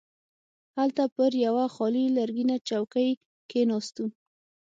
هلته پر یوه خالي لرګینه چوکۍ کښیناستو.